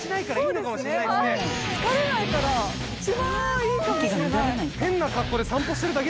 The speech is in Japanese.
疲れないから一番いいかもしれない。